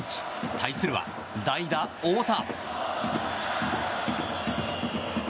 対するは代打、大田。